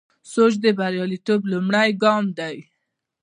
سوچ د بریالیتوب لومړی ګام دی.